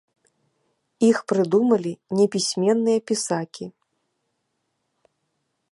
Іх прыдумалі непісьменныя пісакі.